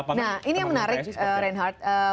nah ini yang menarik reinhardt